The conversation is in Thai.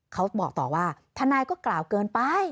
เขาบอกต่อว่าทนายก็กล่าวเกินไป